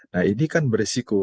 nah ini kan berisiko